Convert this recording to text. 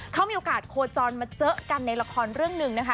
เขามีโอกาสโคจรมาเจอกันในละครเรื่องหนึ่งนะคะ